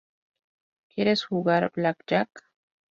Quieres jugar blackjack?